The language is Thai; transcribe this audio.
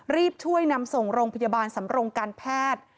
รีบช่วยนำส่งโรงพยาบาลสำรงการแพทย์